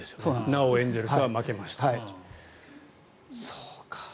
なおエンゼルスは負けましたという。